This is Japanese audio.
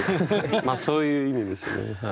まあ、そう意味ですよね。